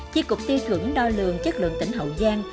chi cục tiêu chuẩn đo lường chất lượng tỉnh hậu giang